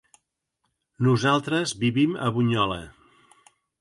Nosaltres vivim a Bunyola.